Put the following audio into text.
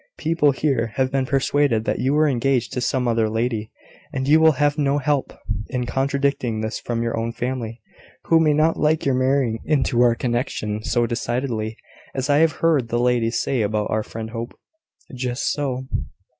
People here have been persuaded that you were engaged to some other lady; and you will have no help in contradicting this from your own family, who may not like your marrying into our connection so decidedly as I have heard the ladies say about our friend Hope." "Just so."